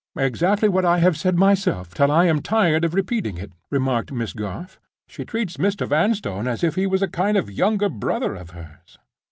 "Exactly what I have said myself, till I am tired of repeating it," remarked Miss Garth. "She treats Mr. Vanstone as if he was a kind of younger brother of hers."